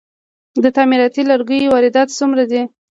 د تعمیراتي لرګیو واردات څومره دي؟